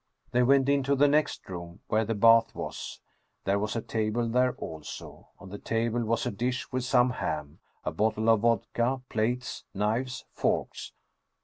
They went into the next room, where the bath was. There was a table there also. On the table was a dish with some ham, a bottle of vodka, plates, knives, forks.